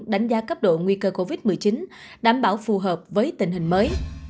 đánh giá cấp độ nguy cơ covid một mươi chín đảm bảo phù hợp với tình hình mới